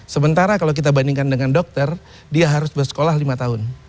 sementara kalau kita bandingkan dengan dokter dia harus bersekolah lima tahun